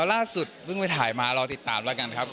ล่าสุดเพิ่งไปถ่ายมารอติดตามแล้วกันครับ